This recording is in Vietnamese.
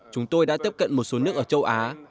chúng tôi đã tiếp cận một số nước ở châu á